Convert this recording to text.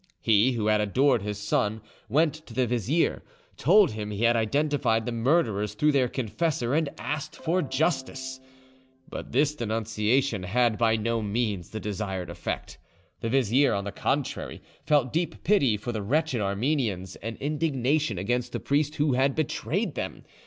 He, who had adored his son, went to the vizier, told him he had identified the murderers through their confessor, and asked for justice. But this denunciation had by no means the desired effect. The vizier, on the contrary, felt deep pity for the wretched Armenians, and indignation against the priest who had betrayed them.